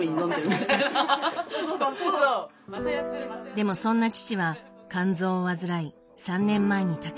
でもそんな父は肝臓を患い３年前に他界。